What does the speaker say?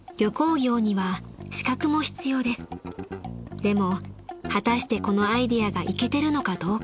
［でも果たしてこのアイデアがイケてるのかどうか］